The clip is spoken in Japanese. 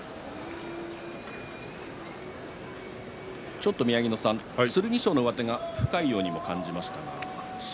ちょっと宮城野さん、剣翔の上手が深いように感じましたが。